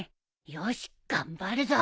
よし頑張るぞ。